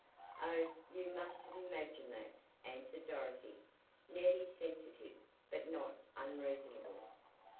"Oh, you must have imagined that," answered Dorothy. "Ned is sensitive, but not unreasonable."